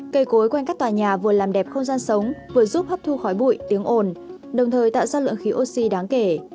cây cối quanh các tòa nhà vừa làm đẹp không gian sống vừa giúp hấp thu khói bụi tiếng ồn đồng thời tạo ra lượng khí oxy đáng kể